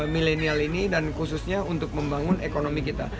milenial ini dan khususnya untuk membangun ekonomi kita